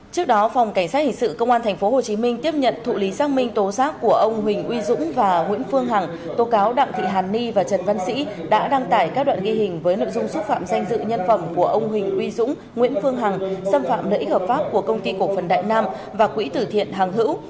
trước đó phòng cảnh sát hình sự công an tp hcm tiếp nhận thụ lý xác minh tố giác của ông huỳnh uy dũng và nguyễn phương hằng tố cáo đặng thị hàn ni và trần văn sĩ đã đăng tải các đoạn ghi hình với nội dung xúc phạm danh dự nhân phẩm của ông huỳnh uy dũng nguyễn phương hằng xâm phạm lợi ích hợp pháp của công ty cổ phần đại nam và quỹ tử thiện hàng hữu